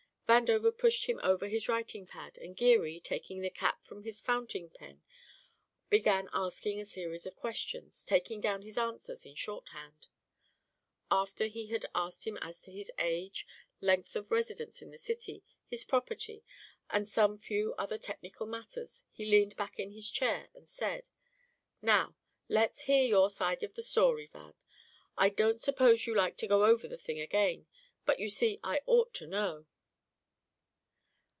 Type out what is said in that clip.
Vandover pushed him over his writing pad, and Geary, taking the cap from his fountain pen, began asking a series of questions, taking down his answers in shorthand. After he had asked him as to his age, length of residence in the city, his property, and some few other technical matters, he leaned back in his chair and said: "Now, let's hear your side of the story, Van. I don't suppose you like to go over the thing again, but you see I ought to know."